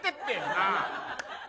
なあ。